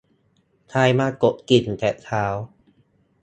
ใครมากดกริ่งแต่เช้า